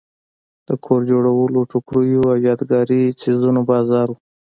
د کور جوړو ټوکریو او یادګاري څیزونو بازار و.